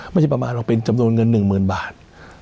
ไม่ใช่ประมาณเป็นจำนวนเงิน๑หมื่นบาท